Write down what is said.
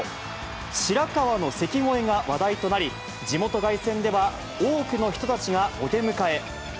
白河の関越えが話題となり、地元凱旋では、多くの人たちがお出迎え。